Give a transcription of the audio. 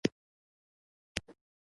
• د اوبو پمپونه د برېښنا سره کار کوي.